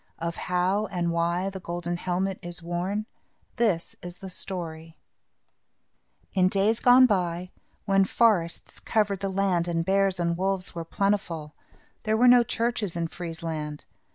Of how and why the golden helmet is worn, this is the story: In days gone by, when forests covered the land and bears and wolves were plentiful, there were no churches in Friesland.